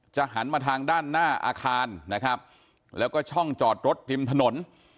หันมาทางด้านหน้าอาคารนะครับแล้วก็ช่องจอดรถริมถนน